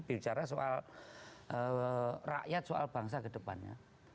bicara soal rakyat soal bangsa ke depannya